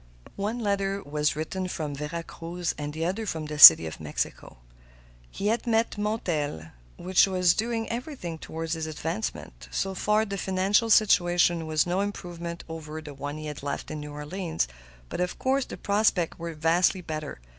One letter was written from Vera Cruz and the other from the City of Mexico. He had met Montel, who was doing everything toward his advancement. So far, the financial situation was no improvement over the one he had left in New Orleans, but of course the prospects were vastly better.